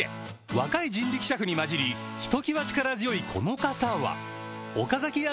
若い人力車夫に交じりひときわ力強いこの方は岡崎屋